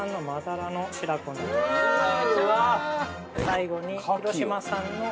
最後に広島産の。